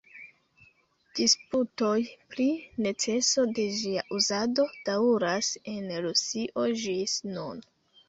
Disputoj pri neceso de ĝia uzado daŭras en Rusio ĝis nun.